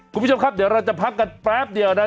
คุณผู้ชมครับเดี๋ยวเราจะพักกันแป๊บเดียวนะ